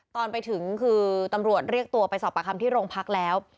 ตอนไปถึงคือตำรวจเรียกตัวไปสอบประคำที่โรงพักแล้ว